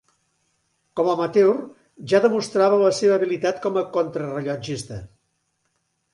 Com a amateur ja demostrava la seva habilitat com a contrarellotgista.